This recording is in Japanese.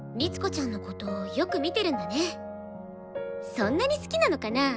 そんなに好きなのかな？